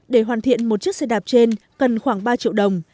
để hoàn thiện một chiếc xe đạp trên cần khoảng ba triệu đồng